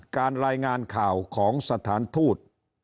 การรายงานข่าวของสถานทูต